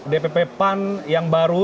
dpp pan yang baru